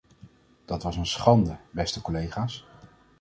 Dat was een schande, beste collega’s!